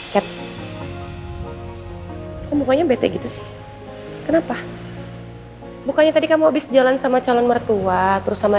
kakaknya bete gitu sih kenapa bukannya tadi kamu abis jalan sama calon mertua terus sama